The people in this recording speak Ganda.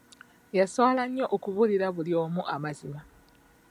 Yaswala nnyo okubuulira buli omu amazima.